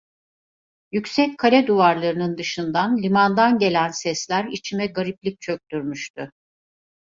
Yüksek kale duvarlarının dışından, limandan gelen sesler içime gariplik çöktürmüştü.